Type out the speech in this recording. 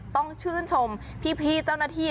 ต้องชื่นชมพี่เจ้าหน้าที่